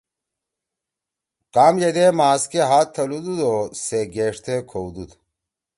کام ییدے ماس کے ہات تھلُودُود او سے گیݜتے کھؤدُود۔